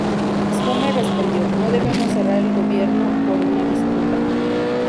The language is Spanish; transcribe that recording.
Schumer respondió: "No debemos cerrar el gobierno por una disputa".